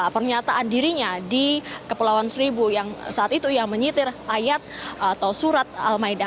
pernyataan dirinya di kepulauan seribu yang saat itu yang menyitir ayat atau surat al maida